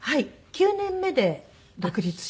９年目で独立しました。